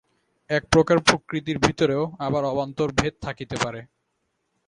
এক প্রকার প্রকৃতির ভিতরেও আবার অবান্তর ভেদ থাকিতে পারে।